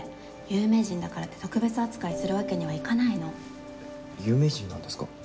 有名人だからって特別扱いするわけにはいかないの。有名人なんですか？